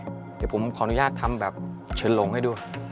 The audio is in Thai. เดี๋ยวผมขออนุญาตทำแบบเชิญหลงให้ดู